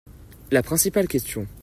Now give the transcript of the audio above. La principale question.